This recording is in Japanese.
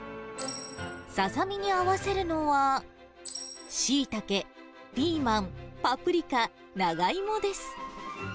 ササミに合わせるのは、シイタケ、ピーマン、パプリカ、長芋です。